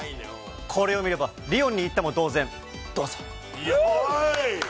これを見ればリヨンに行ったも同然、どうぞ。